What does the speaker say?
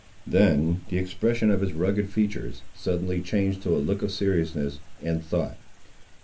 Then the expression of his rugged features suddenly changed to a look of seriousness and thought.